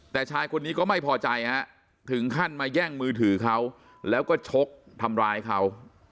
แต่ชายคนนี้ก็ไม่พอใจฮะถึงขั้นมาแย่งมือถือเขาแล้วก็ชกทำร้ายเขา